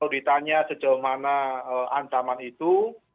ditanya sejauh mana ancaman itu